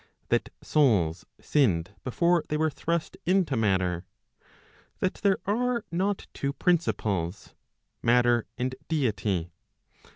That souls sinned before they were thrust into matter. That there are not two principles [matter and deity.